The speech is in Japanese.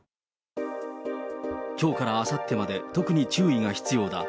きょうからあさってまで、特に注意が必要だ。